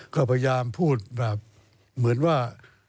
ก็พยายามพูดแบบเหมือนว่า